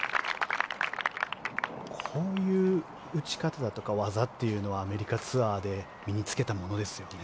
こういう打ち方だとか技というのはアメリカツアーで身に着けたものですよね。